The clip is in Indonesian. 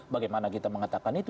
bagaimana kita mengatakan itu